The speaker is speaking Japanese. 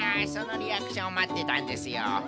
そのリアクションをまってたんですよ。